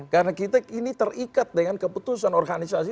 karena kita ini terikat dengan keputusan organisasi